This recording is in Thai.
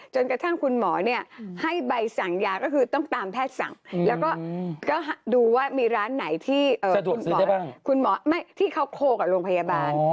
จนกระทั่งคุณหมอให้ใบสั่งยาก็คือต้องตามแพทย์สั่งแล้วก็ดูว่ามีร้านไหนที่คุณหมอที่เขาโคลกับโรงพยาบาล